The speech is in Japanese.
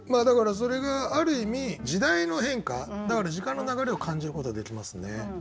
だからそれがある意味時代の変化だから時間の流れを感じることができますね。